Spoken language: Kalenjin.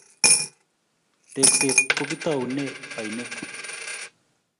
Tekset kokitounee ainet